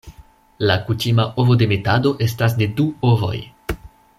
La kutima ovodemetado estas de du ovoj.